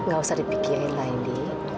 gak usah dipikirin lah ini